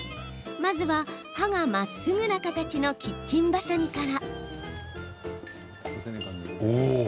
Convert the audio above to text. まずは、刃がまっすぐな形のキッチンバサミから。